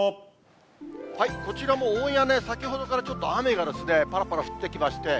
こちらも大屋根、先ほどからちょっと雨がですね、ぱらぱら降ってきまして。